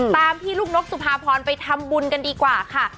ตามพี่ลูกนกสุภาพรไปทำบุญกันดีกว่าค่ะ